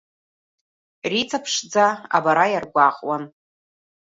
Риҵа ԥшӡа абара иаргәаҟуан.